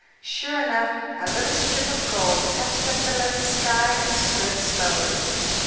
Sure enough, a little strip of gold touched up the leaden sky, and spread slowly.